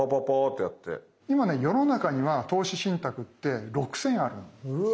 今ね世の中には投資信託って６，０００あるんですね。